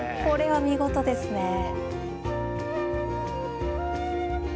これは見事ですね。